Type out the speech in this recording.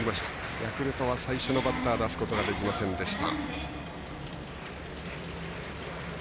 ヤクルトは最初のバッター出すことができませんでした。